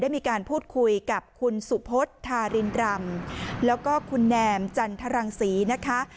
มีการพูดคุยกับคุณสุพธารินรำแล้วก็คุณแนมจันทรังศรีนะคะ